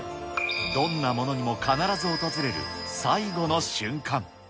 どんなものにも必ず訪れる最後の瞬間。